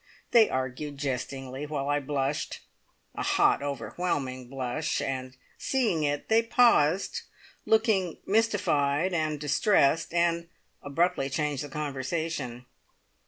They argued jestingly, while I blushed a hot, overwhelming blush, and seeing it, they paused, looking mystified and distressed, and abruptly changed the conversation.